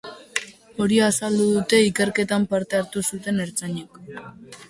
Hori azaldu dute ikerketan parte hartu zuten ertzainek.